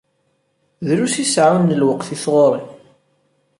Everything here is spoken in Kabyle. Drus i seɛɛuɣ n lweqt i tɣuri.